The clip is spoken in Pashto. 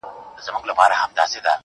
سترگي يې توري ،پر مخ يې ښكل كړه_